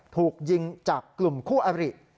ถูกยิงจากกลุ่มคู่อริ